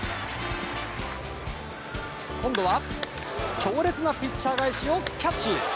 今度は、強烈なピッチャー返しをキャッチ。